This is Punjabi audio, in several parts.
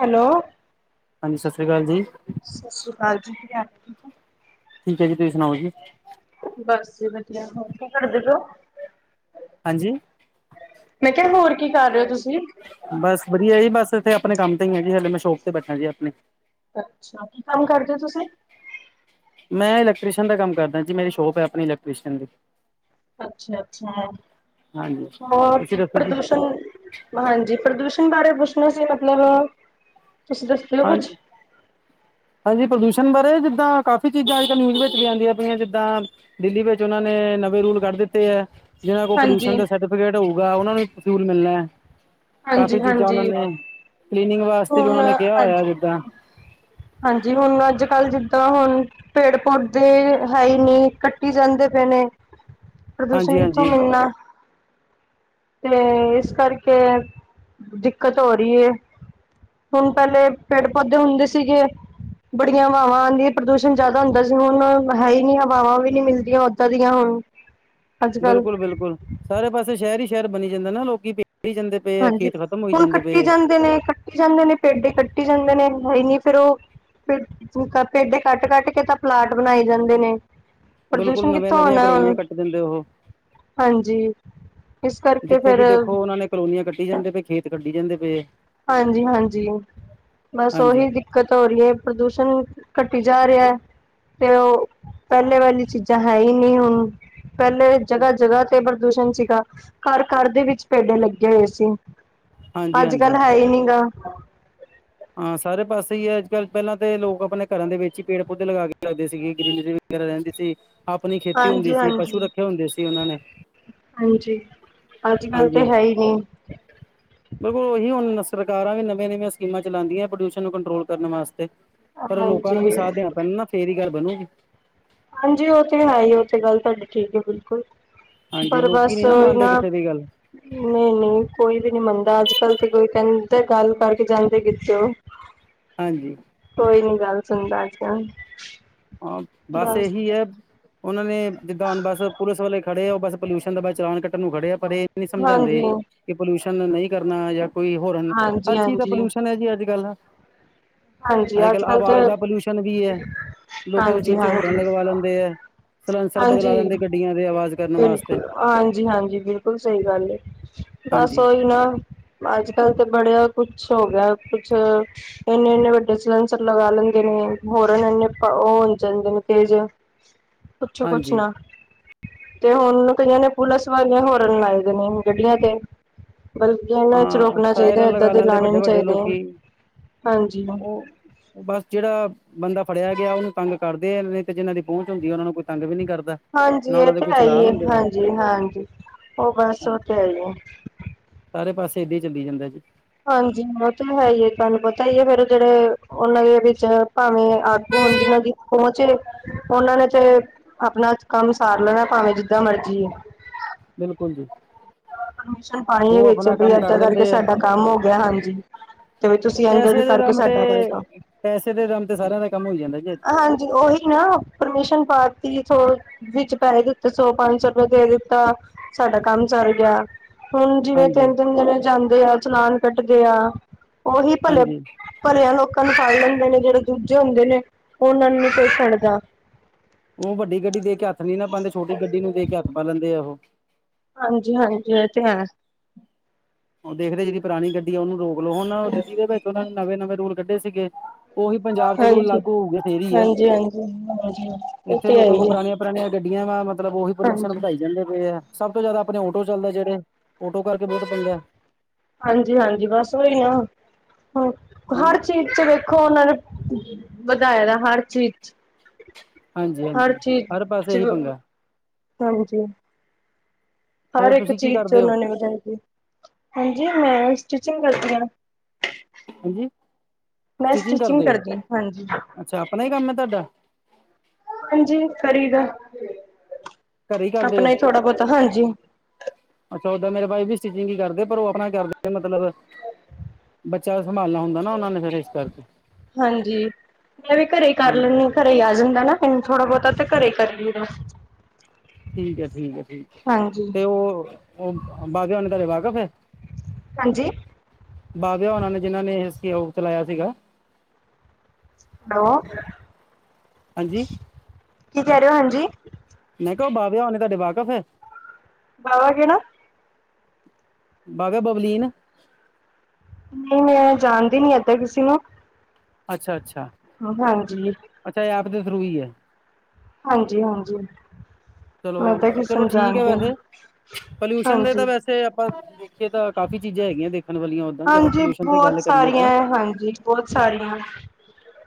ਹੈਲੋ ਹਾਂਜੀ ਸਤਿ ਸ੍ਰੀ ਅਕਾਲ ਜੀ ਸਤਿ ਸ਼੍ਰੀ ਅਕਾਲ ਜੀ ਕੀ ਹਾਲ। ਠੀਕ ਹੈ ਜੀ ਤੁਸੀਂ ਸੁਣਾਓ ਜੀ। ਬਸ ਜੀ ਵਧੀਆ ਹੋਰ ਕੀ ਕਰਦੇ? ਗ ਹਾਂਜੀ। ਮੈਂ ਕਿਹਾ ਹੋਰ ਕੀ ਕਰ ਰਹੇ ਹੋ ਤੁਸੀਂ। ਬਸ ਵਧੀਆ ਜੀ ਬਸ ਇੱਥੇ ਆਪਣੇ ਕੰਮ ਤੇ ਹੀ ਹੈ ਜੀ ਹਲੇ ਮੈਂ ਸ਼ੋਪ ਤੇ ਬੈਠਾ ਜੀ ਆਪਣੇ। ਅੱਛਾ ਕੀ ਕੰਮ ਕਰਦੇ ਹੋ ਤੁਸੀਂ? ਮੈਂ ਇਲੈਕਟ੍ਰੀਸ਼ਨ ਦਾ ਕੰਮ ਕਰਦਾ ਜੀ। ਮੇਰੀ ਸ਼ੋਪ ਹੈ ਆਪਣੀ ਇਲੈਕਟ੍ਰੀਸ਼ਨ ਦੀ। ਅੱਛਾ, ਅੱਛਾ ਹਾਂਜੀ ਹੋਰ ਤੁਸੀਂ ਦੱਸੋ ਜੀ ਪ੍ਰਦੂਸ਼ਣ। ਹਾਂਜੀ, ਪ੍ਰਦੂਸ਼ਣ ਬਾਰੇ ਪੁੱਛਣਾ ਸੀ ਮਤਲਬ ਤੁਸੀਂ ਦੱਸ ਦਿਓ ਹਾਂ ਕੁਛ। ਹਾਂਜੀ ਪ੍ਰਦੂਸ਼ਣ ਬਾਰੇ ਜਿੱਦਾਂ ਕਾਫ਼ੀ ਚੀਜ਼ਾਂ ਅੱਜ ਕੱਲ੍ਹ ਨਿਊਜ਼ ਵਿੱਚ ਵੀ ਆਉਂਦੀਆਂ ਪਈਆਂ ਜਿੱਦਾਂ। ਦਿੱਲੀ ਵਿੱਚ ਉਹਨਾਂ ਨੇ ਨਵੇਂ ਰੂਲ ਕਰ ਦਿੱਤੇ ਹੈ। ਜਿਹਨਾਂ ਕੋਲ ਹਾਂਜੀ ਪੋਲਿਊਸ਼ਨ ਦਾ ਸਰਟੀਫਿਕੇਟ ਹੋਊਗਾ ਉਹਨਾਂ ਨੂੰ ਫਿਊਲ ਮਿਲਣਾ। ਕਾਫੀ ਹਾਂਜੀ ਚੀਜ਼ਾਂ ਉਹਨਾਂ ਹਾਂਜੀ ਨੇ ਕਲੀਨਿੰਗ ਵਾਸਤੇ ਵੀ ਹੁਣ ਉਹਨਾਂ ਨੇ ਕਿਹਾ ਅੱਜ ਹੋਇਆ ਜਿੱਦਾਂ। ਹਾਂਜੀ ਹੁਣ ਅੱਜ ਕੱਲ੍ਹ ਜਿੱਦਾਂ ਹੁਣ। ਪੇੜ ਪੌਦੇ ਹੈ ਹੀ ਨਹੀਂ ਕੱਟੀ ਜਾਂਦੇ ਪਏ ਨੇ। ਹਾਂਜੀ ਪ੍ਰਦੂਸ਼ਣ ਕਿੱਥੋਂ ਹਾਂਜੀ ਮਿਲਣਾ। ਤੇ ਇਸ ਕਰਕੇ ਦਿੱਕਤ ਹੋ ਰਹੀ ਹੈ। ਹੁਣ ਪਹਿਲੇ ਪੇੜ ਪੌਦੇ ਹੁੰਦੇ ਸੀਗੇ। ਬੜੀਆਂ ਹਵਾਵਾਂ ਆਉਂਦੀਆਂ ਪ੍ਰਦੂਸ਼ਣ ਜਿਆਦਾ ਹੁੰਦਾ ਸੀ ਹੁਣ ਹੈਈ ਨਹੀਂ ਹਵਾਵਾਂ ਵੀ ਨਹੀਂ ਮਿਲਦੀਆਂ ਉਦਾਂ ਦੀਆਂ ਹੁਣ। ਅੱਜ ਕੱਲ ਬਿਲਕੁਲ, ਬਿਲਕੁਲ ਸਾਰੇ ਪਾਸੇ ਸ਼ਹਿਰ ਹੀ ਸ਼ਹਿਰ ਬਣੀ ਜਾਂਦਾ ਨਾ ਲੋਕੀ ਪ ਜਾਂਦੇ। ਪਏ ਆ ਹਾਂਜੀ ਖੇਤ ਖਤਮ ਹੋਈ ਹੁਣ ਜਾਂਦੇ ਕੱਟੀ ਪਏ ਆ ਜਾਂਦੇ ਨੇ ਕੱਟੀ ਜਾਂਦੇ ਨੇ ਪੇਡ ਕੱਟੀ ਜਾਂਦੇ ਨੇ ਹੈ ਨਹੀਂ ਫੇਰ ਉਹ। ਪੇਡ ਕੱਟ ਕੱਟ ਕੇ ਤਾਂ ਪਲਾਟ ਬਣਾਈ ਜਾਂਦੇ ਨੇ। ਬਿਲਕੁਲ ਪ੍ਰਦੂਸ਼ਣ ਨਵੀਆਂ ਕਿੱਥੋਂ ਨਵੀਆਂ ਹੋਣਾ ਹੁਣ। ਕਲੋਨੀਆਂ ਕੱਟ ਦਿੰਦੇ ਉਹ ਹਾਂਜੀ ਇਸ ਕਰਕੇ ਜਿੱਥੇ ਫੇਰ। ਵੀ ਦੇਖੋ ਉਹਨਾਂ ਨੇ ਕਲੋਨੀਆਂ ਕੱਢੀ ਜਾਂਦੇ ਪਏ ਖੇਤ ਕੱਟੀ ਜਾਂਦੇ ਪਏ। ਹਾਂਜੀ, ਹਾਂਜੀ ਬਸ ਹਾਂਜੀ ਓਹੀ ਜੀ। ਦਿੱਕਤ ਹੋ ਰਹੀ ਹੈ ਪ੍ਰਦੂਸ਼ਣ ਘਟੀ ਜਾ ਰਿਹਾ ਹੈ। ਤੇ ਉਹ ਪਹਿਲੇ ਵਾਲੀ ਚੀਜ਼ਾਂ ਹੈ ਹੀ ਨਹੀਂ ਹੁਣ। ਪਹਿਲੇ ਜਗ੍ਹਾ ਜਗ੍ਹਾ ਤੇ ਪ੍ਰਦੂਸ਼ਣ ਸੀਗਾ ਘਰ ਘਰ ਦੇ ਵਿੱਚ ਪੇਡੇ ਲੱਗੇ ਹੋਏ ਸੀ। ਹਾਂਜੀ ਹਾਂਜੀ। ਹੈਈ ਨਹੀਂ ਗਾ। ਹਾਂ ਸਾਰੇ ਪਾਸੇ ਹੀ ਹੈ ਅੱਜ ਕੱਲ੍ਹ ਪਹਿਲਾਂ ਤੇ ਲੋਕ ਆਪਣੇ ਘਰਾਂ ਦੇ ਵਿੱਚ ਹੀ ਪੇੜ ਪੌਦੇੇ ਲਗਾ ਕੇ ਲਗਦੇ ਸੀਗੇ ਗਰੀਨਰੀ। ਵਗੈਰਾ ਰਹਿੰਦੀ ਸੀ ਆਪਣੀ ਖੇਤੀ ਹੁੰਦੀ ਹਾਂਜੀ ਸੀ ਹਾਂਜੀ ਪਸ਼ੂ ਰੱਖੇ ਹੁੰਦੇ ਸੀ ਉਹਨਾਂ ਨੇ। ਹਾਂਜੀ, ਅੱਜ ਕਲ ਤੇ ਹਾਂਜੀ ਹੈ ਹੀ ਨਹੀਂ। ਬਿਲਕੁਲ ਉਹੀ ਹੁਣ ਸਰਕਾਰਾਂ ਵੀ ਨਵੀਆਂ ਨਵੀਆਂ ਸਕੀਮਾਂ। ਚਲਾਉਦੀਆਂ ਪ੍ਰੋਲਿਊਸ਼ਨ ਨੂੰ ਕੰਟਰੋਲ ਕਰਨ ਵਾਸਤੇ ਪਰ ਲੋਕਾਂ ਹਾਂਜੀ ਨੂੰ ਵੀ ਸਾਥ ਦੇਣਾ ਪੈਣਾ ਨਾ ਫੇਰ ਹੀ ਗੱਲ ਬਣੂ। ਹਾਂਜੀ, ਉਹ ਤੇ ਹੈਈ ਉਹ ਤੇ ਗੱਲ ਤੁਹਾਡੀ ਠੀਕ ਹੈ ਬਿਲਕੁਲ। ਹਾਂਜੀ ਪਰ ਲੋਕੀ ਬਸ ਨੀ ਉਹੀ ਮੰਨਦੇ ਨਾ। ਕਿਸੇ ਦੀ ਗੱਲ ਨਹੀਂ ਨਹੀਂ ਕੋਈ ਵੀ ਨੀ ਮੰਨਦਾ ਅੱਜ ਕੱਲ ਤੇ ਕੋਈ ਕਹਿੰਦਾ ਗੱਲ ਕਰਕੇ ਜਾਂਦੇ ਕਿਥੇ ਹੋ। [unintelligible] ਹਾਂਜੀ। ਕੋਈ ਨੀ ਗੱਲ ਸੁਣਦਾ ਅੱਜ ਕੱਲ। ਹਾਂ, ਬਸ ਇਹੀ ਹੈ। ਉਹਨਾਂ ਨੇ ਜਿੱਦਾਂ ਹੁਣ ਬਸ ਪੁਲਿਸ ਵਾਲੇ ਖੜੇ ਆ। ਉਹ ਬਸ ਪੋਲਿਊਸ਼ਨ ਦਾ ਬਸ ਚਲਾਨ ਕੱਟਣ ਨੂੰ ਖੜੇ ਆ। ਪਰ ਇਹ ਨਹੀਂ ਹਾਂਜੀ, ਸਮਝਾਉਂਦੇ ਕਿ ਪੋਲਿਊਸ਼ਨ ਨਹੀਂ ਕਰਨਾ ਜਾਂ। ਕੋਈ ਹੋਰਨ ਹਾਂਜੀ, ਹਰ ਚੀਜ਼ ਦਾ ਹਾਂਜੀ, ਪੋਲਿਊਸ਼ਨ ਹੈ ਜੀ ਅੱਜ ਕੱਲ੍ਹ। ਹਾਂਜੀ ਅੱਜ ਕੱਲ੍ਹ ਕੱਲ ਤੇ ਆਵਾਜ਼ ਦਾ ਪੋਲਿਊਸ਼ਨ ਵੀ ਹੈ ਲੋਕੀ ਉੱਚੇ ਹਾਂਜੀ, ਉੱਚੇ ਹੋਰਨ ਹਾਂਜੀ, ਲਗਵਾ ਲੈਂਦੇ ਹੈ। ਸਲੈਂਸਰ ਬਦਲਾ ਹਾਂਜੀ, ਲੈਂਦੇ ਗੱਡੀਆਂ ਦੇ ਆਵਾਜ਼ ਕਰਨ ਵਾਸਤੇ ਬਿਲਕੁਲ, ਹਾਂਜੀ ਹਾਂਜੀ, ਬਿਲਕੁਲ ਸਹੀ ਗੱਲ ਏ। ਬਸ ਹਾਂਜੀ ਓਹੀ ਨਾ, ਅੱਜ ਕੱਲ ਤੇ ਬੜਿਆ ਕੁਛ ਹੋ ਗਿਆ ਕੁਛ। ਇੰਨੇ ਇੰਨੇ ਵੱਡੇ ਸਿਲੰਸਰ ਲਗਾ ਲੈਂਦੇ ਨੇ ਹੋਰਨ ਇਨੇ ਇੰਨੇ ਉਹ ਹੋ ਜਾਂਦੇ ਨੇ ਤੇਜ। ਪੁੱਛੋ ਕੁਛ ਹਾਂਜੀ ਨਾ। ਤੇ ਹੁਣ ਕਈਆਂ ਨੇ ਪੁਲਿਸ ਵਾਲੀਆਂ ਹੋਰਨ ਲਾਏ ਦੇ ਨੇ ਗੱਡੀਆਂ ਤੇ। ਬਲਕਿ ਇਹਨਾਂ ਵਿੱਚ ਹਾਂ ਰੋਕਣਾ ਚਾਹੀਦਾ ਸਾਇਰਨ ਏਦਾਂ ਲਗਾ ਦੇ ਲੈਂਦੇ ਲਾਉਣੇ ਵੱਡੇ ਨੀ ਵੱਡੇ ਚਾਹੀਦੇ ਹਾਂ ਲੋਕੀ ਹਾਂਜੀ। ਉਹ ਬਸ ਜਿਹੜਾ ਬੰਦਾ ਫੜਿਆ ਗਿਆ ਉਹਨੂੰ ਤੰਗ ਕਰਦੇ ਨੇ ਤੇ ਜਿਹਨਾਂ ਦੀ ਪਹੁੰਚ ਹੁੰਦੀ ਹੈ ਉਹਨਾਂ ਨੂੰ ਕੋਈ ਤੰਗ ਵੀ ਨਹੀਂ ਕਰਦਾ। ਹਾਂਜੀ ਨਾ ਇਹ ਉਹਨਾਂ ਦੇ ਤੇ ਕੋਈ ਹੈ ਹੀ ਚਲਾਨ ਹੈ ਹੁੰਦੇ ਆ ਹਾਂਜੀ ਹਾਂਜੀ ਉਹ ਬਸ ਉਹ ਤੇ ਹੈਈ ਆ। ਸਾਰੇ ਪਾਸੇ ਏਦਾਂ ਹੀ ਚੱਲੀ ਜਾਂਦਾ ਜੀ। ਹਾਂਜੀ ਉਹ ਤਾਂ ਹੈ ਹੀ ਤੁਹਾਨੂੰ ਪਤਾ ਹੀ ਹੈ ਫੇਰ ਜਿਹੜੇ ਉਹਨਾਂ ਦੇ ਵਿੱਚ ਭਾਵੇਂ ਆਗੂ ਹੋਣ ਜਿਹਨਾਂ ਦੀ। ਪਹੁੰਚੇ ਉਹਨਾਂ ਨੇ ਤੇ ਆਪਣਾ ਕੰਮ ਸਾਰ ਲੈਣਾ ਭਾਵੇਂ ਜਿੱਦਾਂ ਮਰਜੀ। ਬਿਲਕੁਲ ਜੀ ਪਰਮਿਸ਼ਨ ਪਾਈਏ ਉਹ ਵਿੱਚ ਆਪਣਾ ਬਈ ਕੰਮ ਕਰ ਅੱਦਾਂ ਕਰਕੇ ਲੈਂਦੇ ਆ ਸਾਡਾ ਕੰਮ ਹੋ ਗਿਆ ਹਾਂਜੀ। ਤੇ ਵੀ ਤੁਸੀਂ ਇੰਝ ਇੰਝ ਪੈਸੇ ਦੇ ਕਰਕੇ ਦਮ ਤੇ ਸਾਡਾ ਕਰੋ ਕੰਮ ਪੈਸੇ ਦੇ ਦਮ ਤੇ ਸਾਰਿਆਂ ਦਾ ਕੰਮ ਹੋ ਜਾਂਦਾ ਜੇ ਹਾਂਜੀ ਉਹੀ ਨਾ ਪਰਮਿਸ਼ਨ ਪਾਤੀ ਥੋ ਵਿੱਚ ਪੈਸੇ ਦਿੱਤੇ ਸੌ ਪੰਜ ਸੌ ਰੁਪਏ ਦੇ ਦਿੱਤਾ ਸਾਡਾ ਕੰਮ। ਚਰ ਗਿਆ ਹੁਣ ਜਿਵੇਂ ਹਾਂਜੀ ਤਿੰਨ ਤਿੰਨ ਦਿਨ ਜਾਂਦੇ ਆ ਚਸ਼ਨਾਨ ਕੱਟਦੇ ਆ। ਉਹਹੀ ਪਲਬ ਹਾਂਜੀ ਭਲਿਆ ਲੋਕਾਂ ਨੂੰ ਖ ਲੈਂਦੇ ਨੇ ਜਿਹੜੇ ਦੂਜੇ ਹੁੰਦੇ ਨੇ ਉਹਨਾਂ ਨੂੰ ਪੇਛਣ ਦਾ। ਉਹ ਵੱਡੀ ਗੱਡੀ ਦੇ ਕੇ ਹੱਥ ਨੀ ਨਾ ਪਾਉਂਦੇ ਛੋਟੀ ਗੱਡੀ ਨੂੰ ਦੇ ਕੇ ਹੱਥ ਪਾ ਲੈਂਦੇ ਆ ਉਹ। ਹਾਂਜੀ ਹਾਂਜੀ ਇਹ ਤੇ ਹੈ। ਉਹ ਦੇਖਦੇ ਜਿਹੜੀ ਪੁਰਾਣੀ ਗੱਡੀ ਆ ਉਹਨੂੰ ਰੋਕ ਲਓ ਹੁਣ ਗੱਡੀ ਦੇ ਵਿੱਚ ਉਹਨਾਂ ਨੇ ਨਵੇਂ ਨਵੇਂ ਰੂਲ ਕੱਢੇ ਸੀਗੇ ਉਹੀ ਪੰਜਾਬ ਚ ਰੂਲ ਹਾਂਜੀ ਲਾਗੂ ਹੋਊਗੀ ਫੇਰੀ ਹੈ ਹਾਂਜੀ ਹਾਂਜੀ ਹਾਂਜੀ ਇਹ ਇੱਥੇ ਤੇ ਹੈ ਲੋਕਾਂ ਕੋਲ ਹੀ ਹੈ ਪੁਰਾਣੀਆਂ ਪੁਰਾਣੀਆਂ ਗੱਡੀਆਂ ਵਾ ਮਤਲਬ ਉ ਪਲਿਊਸ਼ਨ ਹਾਂਜੀ ਵਧਾਈ। ਜਾਂਦੇ ਪਏ ਹੈ ਸਭ ਤੋਂ ਜਿਆਦਾ ਆਪਣੇ ਟੋ ਚੱਲਦੇ ਜਿਹੜੇ ਟੋ ਕਰਕੇ ਬਹੁਤ ਪੈਂਦੇ ਆ। ਹਾਂਜੀ ਹਾਂਜੀ ਬਸ ਉਓਹੀ ਆ ਹ ਹਰ ਹੁਣ ਚੀਜ਼। ਚ ਵੇਖੋ ਉਹਨਾਂ ਨੇ ਵਧਾਈ ਦਾ ਹਰ ਚੀਜ਼ ਚ। ਹਰ ਹਾਂਜੀ-ਹਾਂਜੀ ਚੀਜ਼ ਹਰ ਪਾਸੇ ਚ ਇਹੀ ਪੰਗਾ ਹਾਂਜੀ ਹਰ ਹੋਰ ਇੱਕ ਤੁਸੀਂ ਕੀ ਚੀਜ਼ ਚ ਕਰਦੇ ਹੋ ਉਹਨਾਂ ਨੇ ਵਧਾਈ ਦੀ ਹਾਂਜੀ ਮੈਂ ਸਟਿਚਿੰਗ ਕਰਦੀ ਐ ਹਾਂਜੀ ਮੈਂ ਸਟਿਚਿੰਗ ਸਟਿਚਿੰਗ ਕਰਦੇ ਹੋ ਕਰਦੀ ਹਾਂ। ਹਾਂਜੀ ਅੱਛਾ ਆਪਣਾ ਹੀ ਕੰਮ ਹੈ ਤੁਹਾਡਾ। ਹਾਂਜੀ ਫਰੀ ਦਾ ਘਰੇ ਹੀ ਕਰਦੇ ਆਪਣਾ ਹੋ। ਥੋੜਾ ਬਹੁਤਾ ਹਾਂਜੀ ਅੱਛਾ ਉਓਦਾਂ ਮੇਰੇ ਭਾਈ ਵੀ ਸਟਿਚਿੰਗ ਹੀ ਕਰਦੇ ਪਰ ਉਹ ਆਪਣਾ ਕਰਦੇ ਮਤਲਬ ਬੱਚਿਆਂ ਸੰਭਾਲਣਾ ਹੁੰਦਾ ਨਾ ਉਹ ਨੇ ਫੇਰ ਇਸ ਕਰਕੇ ਹਾਂਜੀ ਮੈਂ ਵੀ ਘਰੇ ਹੀ ਕਰ ਹਾਂਜੀ ਲੈਦੀ। ਘਰੇ ਹੀ ਆ ਜਾਂਦਾ ਨਾ ਫ ਥੋੜਾ ਬਹੁਤਾ ਤਾਂ ਘਰੇ ਹੀ ਕਰ ਲਈਏ। ਠੀਕ ਹੈ ਠੀਕ ਹੈ ਠੀਕ ਹਾਂਜੀ ਤੇ ਉਹ ਉਹ ਬਾਗਣੇ ਤੁਰੇ ਵਾਕਫ ਹੈ। ਹਾਂਜੀ। ਬਾਬਿਆ ਉਹਨਾਂ ਨੇ ਜਿਨ੍ਹਾਂ ਨੇ ਇਹ ਸੀ ਚਲਾਇਆ ਸੀਗਾ। ਹੈਲੋ। ਹਾਂਜੀ। ਕੀ ਕਹਿ ਰਹੇ ਹੋ ਹਾਂਜੀ। ਮੈਂ ਕਿਹਾ ਉਹ ਬਾਬਿਆ ਹੋਣੇ ਤਾਂ ਡਿ ਬਾਕਫ ਹੈ। ਬਾਵਾ ਕਿ ਨਾ ਬਾਾਹਗਾ ਬਬਲੀਨ ਨਹੀਂ ਮੈਂ ਜਾਣਦੀ ਨੀ ਇੱਦਾਂ ਕਿਸੇ ਨੂੰ। ਅੱਛਾ ਅੱਛਾ। ਹਾਂਜੀ। ਅੱਛਾ ਐਪ ਦੇ ਥਰੂ ਹੀ ਹੈ। ਹਾਂਜੀ ਹਾਂਜੀ। ਮੈਂ ਚਲੋ ਤਾਂ ਕਿਸੇ ਚਲੋ ਨੂੰ ਠੀਕ ਹੈ ਜਾਣਦੀ ਵੈਸੇ ਪੋਲਿਊਸ਼ਨ ਦੇ ਤਾਂ ਹਾਂਜੀ ਵੈਸੇ ਆਪਾਂ ਇਥੇ ਤਾਂ ਕਾਫ਼ੀ ਚੀਜ਼ਾਂ ਹੈਗੀਆਂ ਦੇਖਣ ਵਾਲੀਆਂ ਉਓਦਾਂ ਜੇ ਆਪਾਂ ਹਾਂਜੀ ਪੋਲਿਊਸ਼ਨ ਦੀ ਬਹੁਤ ਗੱਲ ਕਰੀਏ ਸਾਰੀਆਂ ਤਾਂ ਹੈ ਹਾਂਜੀ ਬਹੁਤ ਸਾਰੀਆਂ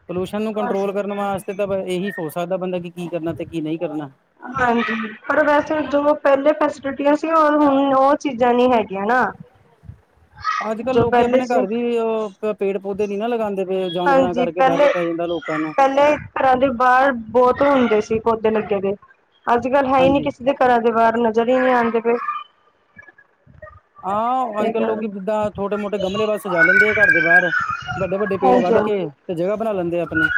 ਪੋਲਿਊਸ਼ਨ ਨੂੰ ਕੰਟਰੋਲ ਕਰਨ ਵਾਸਤੇ ਤਾਂ ਇਹੀ ਸੋਚ ਸਕਦਾ ਬੰਦਾ ਕਿ ਕੀ ਕਰਨਾ ਤੇ ਕੀ ਨਹੀਂ ਕਰਨਾ। ਹਾਂਜੀ ਪਰ ਵੈਸੇ ਜੋ ਪਹਿਲੇ ਫੈਸਿਲਿਟੀਆਂ ਸੀ ਹੁਣ ਉਹ ਚੀਜ਼ਾਂ ਨੀ ਹੈਗੀਆਂ ਨਾ। ਅੱਜ ਕੱਲ ਜੋ ਲੋਕ ਪਹਿਲੇ ਆਪਣੇ ਸੀ ਘਰ ਵੀ ਪੇੜ ਪੌਦੇ ਨੀ ਨਾ ਲਗਾਉਂਦੇ। ਜਾਨਵਰਾਂ ਹਾਂਜੀ ਕਰਕੇ ਦਰਦ ਪਹਿਲੇ ਪੈ ਜਾਂਦਾ ਲੋਕਾਂ ਨੂੰ। ਪਹਿਲੇ ਘਰਾਂ ਦੇ ਬਾਹਰ ਬਹੁਤ ਹੁੰਦੇ ਸੀ ਪੌਦੇ ਲੱਗੇ ਦੇ ਅੱਜ ਕੱਲ ਹੈ ਹੀ ਨਹੀਂ ਹਾਂਜੀ ਕਿਸੇ ਦੇ। ਘਰਾਂ ਦੇ ਬਾਹਰ ਨਜ਼ਰ ਹੀ ਨਹੀਂ ਆਉਂਦੇ ਪਏ। ਹਾਂ ਅੱਜ ਇਹ ਕੱਲ੍ਹ ਲੋਕ ਗੱਲ ਜਿੱਦਾਂ ਛੋਟੇ ਮੋਟੇ ਗਮਲੇ ਵੱਲ ਸਜਾ ਲੈਂਦੇ ਆ ਘਰ ਦੇ ਬਾਹਰ। ਵੱਡੇ ਵੱਡੇ ਪੇੜ ਹਾਂਜੀ ਵੱਢ ਕੇ ਤੇ ਜਗ੍ਹਾ ਬਣਾ ਲੈਂਦੇ ਆ ਆਪਣੇ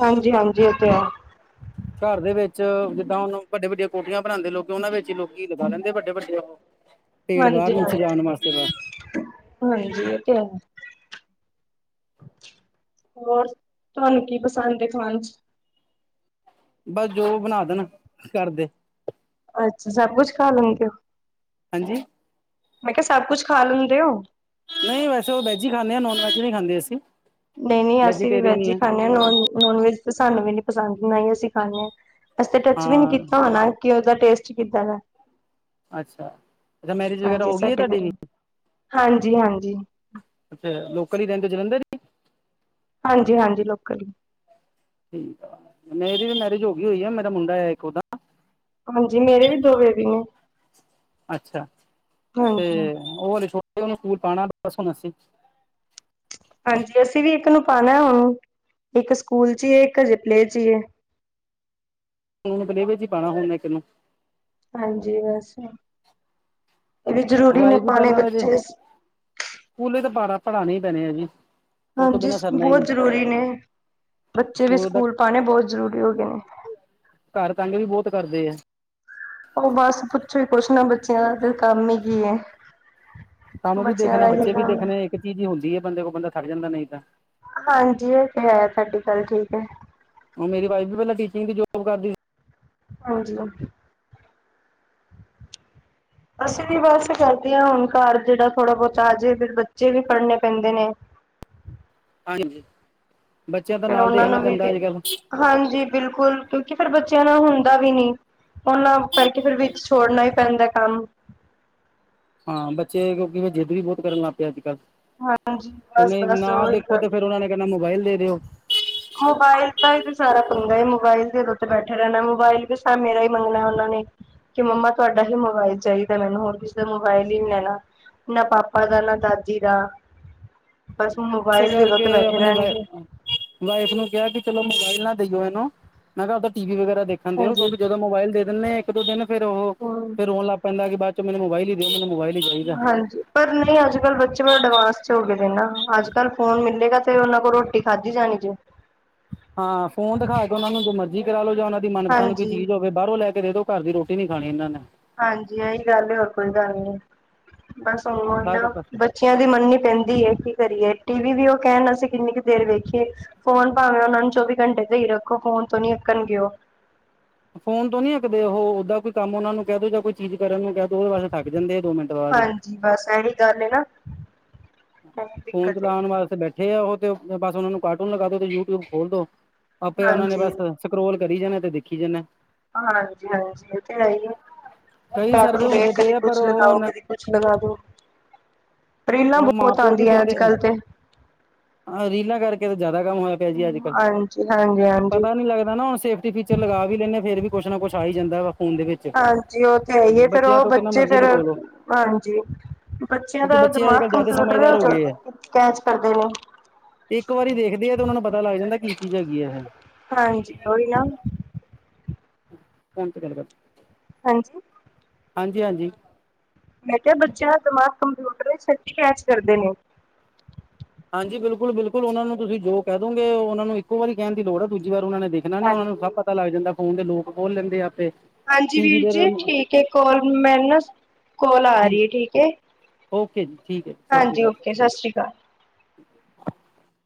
ਹਾਂਜੀ ਹਾਂਜੀ ਇਹ ਤੇ ਹੈ। ਘਰ ਦੇ ਵਿੱਚ ਜਿੱਦਾਂ ਹੁਣ ਵੱਡੀਆਂ ਵੱਡੀਆਂ ਕੋਠੀਆਂ ਬਣਾਉਂਦੇ ਲੋਕ ਉਹਨਾਂ ਵਿੱਚ ਹੀ ਲੋਕੀ ਲਗਾ ਲੈਂਦੇ ਵੱਡੇ ਵੱਡੇ। ਪੇੜ ਬਾਹਰ ਹਾਂਜੀ ਨੂੰ ਹਾਂ ਸਜਾਉਣ ਵਾਸਤੇ ਬਸ ਹਾਂਜੀ ਇਹ ਤੇ ਹੈ। ਹੋਰ ਤੁਹਾਨੂੰ ਕੀ ਪਸੰਦ ਖਾਣ ਚ। ਬਸ ਜੋ ਬਣਾ ਦੇਣ ਘਰਦੇ। ਅੱਛਾ ਸਭ ਕੁਛ ਖਾ ਲੈਂਦੇ ਓ! ਹਾਂਜੀ ਮੈਂ ਕਿਹਾ ਸਭ ਕੁੱਝ ਖਾ ਲੈਂਦੇ ਹੋ? ਨਹੀਂ ਵੈਸੇ ਉਹ ਵੈਜ ਹੀ ਖਾਂਦੇ ਆ ਨੋਨ ਵੈਜ ਹੀ ਨਹੀਂ ਖਾਂਦੇ ਅਸੀਂ। ਨਹੀਂ ਨਹੀਂ ਅਸੀਂ ਵੀ ਵੈਜੀਟੇਰੀਅਨ ਵੈਜ ਹੀ ਹੈ ਖਾਂਦੇ ਹਾਂ ਨਨ ਨੋਨ ਵੈਜ ਸਾਨੂੰ ਵੀ ਨੀ ਪਸੰਦ ਨਾ ਅਸੀਂ। ਖ਼ਾਨੇ ਆ ਅਸੀ ਤੇ ਟੱਚ ਵੀ ਨਹੀਂ ਹਾਂ ਕੀਤਾ ਹੋਣਾ ਕਿ ਦਾ ਟੇਸਟ ਕਿੱਦਾਂ ਹੈ। ਅੱਛਾ ਅੱਛਾ ਮੈਰਿਜ ਵਗੈਰਾ ਹਾਂਜੀ ਹੋ ਗਈ ਹੈ ਸਾਡੇ ਤੁਹਾਡੀ ਘਰ ਵੀ ਹਾਂਜੀ ਹਾਂਜੀ। ਅੱਛਾ ਲੋਕਲ ਹੀ ਰਹਿੰਦੇ ਜਲੰਧਰ ਹੀ। ਹਾਂਜੀ ਹਾਂਜੀ ਲੋਕਲ। ਠੀਕ ਆ ਮੇਰੀ ਵੀ ਮੈਰਿਜ ਹੋ ਗਈ ਹੋਈ ਆ ਮੇਰਾ ਮੁੰਡਾ ਹੈ ਇੱਕ ਉਹਦਾ। ਹਾਂਜੀ ਮੇਰੇ ਵੀ ਦੋ ਬੇਬੀ ਨੇ। ਅੱਛਾ ਤੇ ਹਾਂਜੀ ਉਹ ਛੋਟੇ ਉਹਨੂੰ ਸਕੂਲ ਪਾਉਣਾ ਦਸ ਉਣਾਸੀ। ਹਾਂਜੀ ਅਸੀਂ ਵੀ ਇੱਕ ਨੂੰ ਪਾਉਣਾ ਹੁਣ ਇੱਕ ਸਕੂਲ ਚ ਹੀ ਏ ਇੱਕ ਜਿਪਲੇ ਚ ਹੀ ਏ। ਹੁ ਪਲੇਵੇ ਚ ਹੀ ਪਾਉਣਾ ਹੁ ਮ ਇੱਕਨ ਨੂੰ ਹਾਂਜੀ ਬਸ ਇਹ ਵੀ ਜਰੂਰੀ ਨੇ ਵਾਈਫ ਵੀ ਪਾਣੇ ਪਹਿਲਾਂ ਮੇਰੇ ਬੱਚੇ। ਸਕੂਲੇ ਤਾਂ ਬਾਰਾ ਪੜ੍ਹਾਣੇ ਹੀ ਪੈਣੇ ਆ ਜੀ। ਉਹ ਤੋਂ ਹਾਂਜੀ ਬਿਨਾਂ ਸਰਨਾ ਹੀ ਬਹੁਤ ਨਹੀਂ ਜ਼ਰੂਰੀ ਨੇ ਬੱਚੇ ਵੀ ਸਕੂਲ ਪਾਉਣੇ ਬਹੁਤ ਜ਼ਰੂਰੀ ਹੋ ਗਏ ਨੇ। ਘਰ ਤੰਗ ਵੀ ਬਹੁਤ ਕਰਦੇ ਆ। ਉਹ ਬਸ ਪੁੱਛੋ ਹੀ ਕੁੱਛ ਨਾ ਬੱਚਿਆਂ ਦਾ ਤੇ ਕੰਮ ਹੀ ਕੀ ਹੈ। ਕੰਮ ਵੀ ਬੱਚਿਆ ਦੇਖਣਾ ਦਾ ਏਹੀ ਬੱਚੇ ਵੀ ਕੰਮ ਹੈ। ਦੇਖਣੇ ਇੱਕ ਚੀਜ਼ ਹੀ ਹੁੰਦੀ ਹੈ ਬੰਦੇ ਕੋਲ ਬੰਦਾ ਖੜ ਜਾਂਦਾ ਨਹੀਂ ਤਾਂ। ਹਾਂਜੀ ਇਹ ਤੇ ਹੈ ਤੁਹਾਡੀ ਗੱਲ ਠੀਕ ਹੈ। ਉਹ ਮੇਰੀ ਵਾਈਫ ਵੀ ਪਹਿਲ ਟੀਚਿੰਗ ਦੀ ਜੋ ਕਰਦੀ ਸੀ। ਹਾਂਜੀ ਓਕੇ ਅਸੀਂ ਵੀ ਬਸ ਕਰਦੇ ਹਾਂ ਹੁਣ ਘਰ ਜਿਹੜਾ ਥੋੜਾ ਬਹੁਤਾ ਆ ਜਾਵੇ ਫਿਰ ਬੱਚੇ ਵੀ ਫੜ੍ਹਨੇ ਪੈਂਦੇ ਨੇ। ਹਾਂਜੀ ਬੱਚਿਆਂ ਦਾ ਫਿਰ ਨਾਲ ਉਹਨਾਂ ਦੇਖਣਾ ਨੂੰ ਵੀ ਪੈਂਦਾ ਅੱਜ ਕੱਲ ਹਾਂਜੀ ਬਿਲਕੁਲ ਕਿਉਂਕਿ ਫੇਰ ਬੱਚਿਆਂ ਨਾਲ ਹੁੰਦਾ ਵੀ ਨਹੀਂ। ਉਹਨਾਂ ਕਰਕੇ ਫਿਰ ਵਿੱਚ ਛੋੜਨਾ ਹੀ ਪੈਂਦਾ ਕੰਮ ਹਾਂ ਬੱਚੇ ਕਿਉਂਕਿ ਜਿੱਦ ਵੀ ਬਹੁਤ ਕਰਨ ਲੱਗ ਪਏ ਅੱਜ ਕੱਲ੍ਹ ਹਾਂਜੀ ਤੇ ਬਸ ਨਹੀਂ ਬਸ ਨਾ ਉਹੀ ਦੇਖੋ ਤੇ ਗੱਲ ਫੇਰ ਉਹਨਾ ਨੇ ਕਹਿੰਦਾ ਮੋਬਾਇਲ ਦੇ ਦਿਓ। ਮੋਬਾਇਲ ਦਾ ਹੀ ਵੀ ਸਾਰਾ ਪੰਗਾ ਮੋਬਾਇਲ ਦੇ ਉੱਤੇ ਬੈਠੇ ਰਹਿਣਾ ਮੋਬਾਇਲ ਵੀ ਮੇਰਾ ਹੀ ਮੰਗਣਾ ਉਹਨਾਂ ਨੇ। ਕਿ ਮੰਮਾ ਤੁਹਾਡਾ ਹੀ ਮੋਬਾਇਲ ਚਾਹੀਦਾ ਮੈਨੂੰ ਹੋਰ ਕਿਸੇ ਦਾ ਮੋਬਾਇਲ ਹੀ ਨਹੀਂ ਲੈਣਾ। ਨਾ ਪਾਪਾ ਦਾ, ਨਾ ਦਾਦੀ ਦਾ, ਬਸ ਇਸੇ ਮੋਬਾਇਲ ਦੇ ਦੋਂ ਤੇ ਕਰਕੇ ਬੈਠੇ ਆਪਣੀ ਰਹਿਣਗੇ। ਵਾਈਫ ਨੂੰ ਕਿਹਾ ਕਿ ਚਲੋ ਮੋਬਾਈਲ ਨਾ ਦੇਈਓ ਇਹਨੂੰ ਮੈਂ ਕਿਹਾ ਉਦਾ ਟੀ ਵੀ ਵਗੈਰਾ ਦੇਖ। ਨ ਦੇਓ ਉਹ ਹਾਂਜੀ ਕਿਂ ਜਦੋਂ ਮੋਬਾਇਲ ਦੇ ਦਿੰਦੇ ਇੱਕ ਦੋ ਦਿਨ ਫੇਰ ਉਹ ਹੂੰ ਫਿਰ ਰੋਣ ਲ ਪੈਂਦਾ ਕਿ ਬਾਅਦ ਮੋਬਾਈਲ ਹੀ ਦੇਓ ਮੈਨੂੰ ਮੋਬਾਈਲ ਹੀ ਚਾਹੀਦਾ ਹਾਂਜੀ। ਪਰ ਨਹੀਂ ਅੱਜ ਕੱਲ੍ਹ ਬੱਚੇ ਬ ਅਡਵਾਂਸ ਚ ਹੋ ਗਏ ਦੇ ਨਾ ਅੱਜ ਕੱਲ ਫੋਨ ਮਿਲੇਗਾ ਤੇ ਉਹਨਾਂ ਕੋਲ ਰੋਟੀ ਖਾਧੀ ਜਾਣੀ ਜੇ। ਹਾਂ ਫੋਨ ਦਿਖਾ ਕੇ ਉਹਨਾ ਨੂੰ ਜੋ ਮਰਜ਼ੀ ਕਰਾ ਲਓ ਜਾਂ ਉਹਨਾਂ ਦੀ ਮਨਪਸੰਦ ਕੋਈ ਹਾਂਜੀ ਚੀਜ਼ ਹੋਵੇ। ਬਾਹਰੋਂ ਲੈ ਕੇ ਦੇ ਦੋ ਘਰ ਦੀ ਰੋਟੀ ਨੀ ਖਾਣੀ ਇਹਨਾਂ ਨੇ। ਹਾਂਜੀ ਇਹੀ ਗੱਲ ਹੋਰ ਕੋਈ ਗੱਲ ਨੀ ਬਸ ਉਹ ਸਾਰੇ ਨਾ ਪਾਸੇ ਬੱਚਿਆਂ ਦੀ ਮੰਨ ਨੀ ਪੈਂਦੀ ਹੈ ਕੀ ਕਰੀਏ ਟੀ ਵੀ ਵੀ ਉਹ ਕਹਿਣ ਅਸੀਂ ਕਿੰਨੀ ਕੁ ਦੇਰ ਵੇਖੀਏ। ਫੋਨ ਭਾਵੇਂ ਉਹਨਾ ਨੂੰ ਚੌਵੀ ਘੰਟੇ ਤੇ ਹੀ ਰੱਖੋ ਫੋਨ ਤੋਂ ਨੀ ਅੱਕਣਗੇ ਉਹ। ਫੋਨ ਤੋਂ ਨਹੀਂ ਅਕਦੇ ਉਹ ਓਦਾਂ ਕੋਈ ਕੰਮ ਉਹਨਾਂ ਨੂੰ ਕਹਿ ਦੋ ਜਾਂ ਕੋਈ ਚੀਜ਼ ਕਰਨ ਨੂੰ ਕਹਿ ਦੋ ਉਹਦੇ ਵਾਸਤੇ ਥੱਕ ਜਾਂਦੇ ਦੋ ਮਿੰਟ। ਬਾਅਦ ਹੀ ਹਾਂਜੀ ਬਸ ਇਨੀ ਗੱਲ ਨਾ ਇਹੀ ਫੋਨ ਦਿੱਕਤ ਹੈ ਚਲਾਉਣ ਵਾਸਤੇ ਬੈਠੇ ਆ ਉਹ ਤੇ ਬਸ ਉਹਨਾ ਨੂੰ ਕਾਰਟੂਨ ਲਗਾ ਦੋ ਤੇ ਯੂਟਿਊਬ ਖੋਲ ਦੋ। ਆਪੇ ਉਹਨਾ ਨੇ ਹਾਂਜੀ ਬਸ ਸਕਰੋਲ ਕਰੀ ਜਾਣੇ ਤੇ ਦੇਖੀ ਜਾਂਣੇ। ਹਾਂਜੀ ਹਾਂਜੀ ਇਹ ਤੇ ਹੈ ਹੀ ਹੈ ਕਈ ਸਰਵੇ ਕਾਰਟਨ ਦੇੇਟ ਹੁੰਦੇ ਪਏ ਕਦੀ ਆ ਪਰ ਕੁੱਛ ਉਹ ਲਗਾਓ ਹੁਣ ਕਦੀ ਕੁਛ ਲਗਾ ਦੋ ਰੀਲਾਂ ਉਹ ਮਾਂ ਬਹੁਤ ਆਉਂਦੀਆਂ ਅੱਜ ਕੱਲ ਤੇ। ਹ ਰੀਲਾਂ ਕਰਕੇ ਤਾਂ ਜ਼ਿਆਦਾ ਕੰਮ ਹੋਇਆ ਪਿਆ ਜੀ ਅੱਜ ਕੱਲ ਹਾਂਜੀ ਹਾਂਜੀ ਹਾਂਜੀ ਪਤਾ ਨੀ ਲੱਗਦਾ ਨਾ ਹੁਣ ਸੇਫ ਫੀਚਰ ਲਗਾ ਵੀ ਲੈਂਦੇ ਹ ਫ਼ਰ ਵੀ ਕੁੱਛ ਨਾ ਕੁਛ ਆ ਹੀ ਜਾਂਦਾ ਵ ਫੋਨ ਦੇ ਵਿੱਚ ਹਾਂਜੀ ਉਥੇ ਆਈਏ ਫੇਰ ਬੱਚਿਆਂ ਉਹ ਤੋਂ ਕਿੰਨਾ ਬੱਚੇ ਮਰਜ਼ੀ ਫੇਰ ਲਕੋ ਲੋ ਹਾਂਜੀ ਬੱਚਿਆਂ ਕਿਉਂਕਿ ਦਾ। ਬੱਚੇ ਅੱਜ ਦਿਮਾਗ ਕੱਲ੍ਹ ਜ਼ਿਆਦਾ ਕੰਪਿਊਟਰ ਸਮਝਦਾਰ ਉਹ ਹੋ ਗਏ ਆ ਚ ਕੈਚ ਕਰਦੇ। ਨੇ ਇੱਕ ਵਾਰੀ ਦੇਖਦੇ ਆ ਤੇ ਉਹਨਾਂ ਨੂੰ ਪਤਾ ਲੱਗ ਜਾਂਦਾ ਕੀ ਚੀਜ਼ ਹੈਗੀ ਹੈ। ਹਾਂਜੀ ਕੋਈ ਨੀ। ਕਣ ਤੇ ਕੱਲ ਕਰ। ਹਾਂਜੀ ਹਾਂਜੀ ਹਾਂਜੀ ਮੈਂ ਕਿਹਾ ਬੱਚਿਆਂ ਦਾ ਦਿਮਾਗ ਕੰਪਿਊਟਰ ਕੈਚ ਕਰਦੇ ਨੇ। ਹਾਂਜੀ ਬਿਲਕੁਲ ਬਿਲਕੁਲ ਉਹਨਾਂ ਨੂੰ ਤੁਸੀਂ ਜੋ ਕਹਿ ਦੋਗੇ ਉਹਨਾਂ ਨੂੰ ਇੱਕੋ ਵਾਰੀ ਕਹਿਣ ਦੀ ਲੋੜ ਆ ਦੂਜੀ ਵਾਰ ਉਹਨਾਂ ਨੇ ਦੇਖ। ਏਨਾ ਨੀ ਉਹਨਾ ਨੂੰ ਸਭ ਹਾਂਜੀ ਪਤਾ ਲੱਗ ਜਾਂਦਾ ਫੋਨ ਦੇ ਲੋਕ ਖੋਲ ਲੈਂਦੇ ਆ ਆਪੇ। ਹਾਂਜੀ ਟੀ ਵੀ ਵੀਰ ਦੇ ਜੀ ਠੀਕ ਹੈ ਕੋਲ ਮੈਨੂੰ ਨਾ ਕੋਲ ਆ ਰਹੀ ਹੈ ਠੀਕ ਹੈ। ਓਕੇ ਜੀ। ਹਾਂਜੀ ਓਕੇ ਸਤਿ ਸ਼੍ਰੀ ਅਕਾਲ। ਠੀ [inaudible]